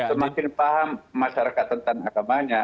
semakin paham masyarakat tentang agamanya